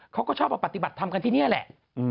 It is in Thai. เขาก็ชอบมาปฏิบัติธรรมกันที่นี่แหละ